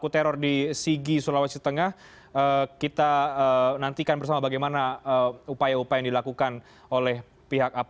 terima kasih pak